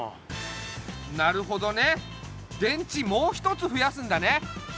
なるほどね電池もう一つふやすんだね！